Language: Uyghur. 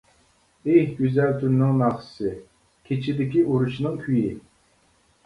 ئېھ گۈزەل تۈننىڭ ناخشىسى كېچىدىكى ئۇرۇشنىڭ كۈيى.